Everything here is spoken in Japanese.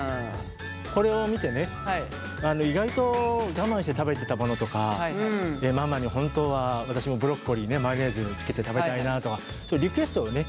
これを見てね意外と我慢して食べてたものとかママに本当は私もブロッコリーマヨネーズにつけて食べたいなとかリクエストをね